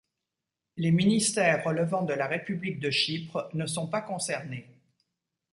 Les ministères relevant de la République de Chypre ne sont pas concernés.